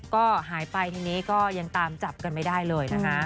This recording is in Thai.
ก็หายไปทีนี้ก็ยังตามจับกันไม่ได้เลยนะคะ